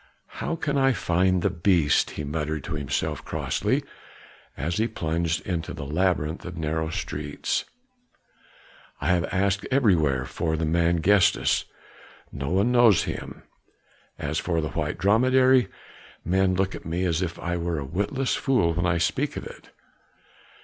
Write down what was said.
"How can I find the beast?" he muttered to himself crossly, as he plunged into the labyrinth of narrow streets. "I have asked everywhere for the man Gestas, no one knows him; as for the white dromedary, men look at me as if I were a witless fool when I speak of it.